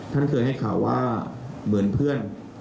ท่านเคยให้ข่าวว่าเหมือนเพื่อน